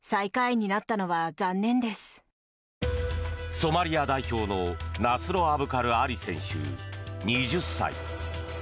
ソマリア代表のナスロ・アブカル・アリ選手、２０歳。